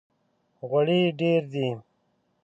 غوړي یې ډېر دي!